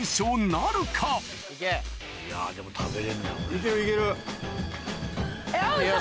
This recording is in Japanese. いけるいける。